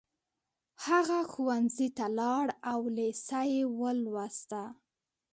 هغه ښوونځي ته لاړ او لېسه يې ولوسته